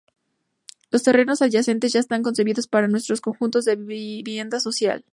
Los terrenos adyacentes ya están concebidos para nuevos conjuntos de vivienda social.